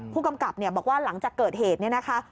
ผู้กำกับบอกว่าหลังจากเกิดเหตุเนี่ยนะคะ